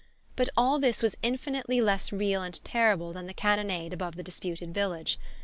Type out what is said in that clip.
But all this was infinitely less real and terrible than the cannonade above the disputed village.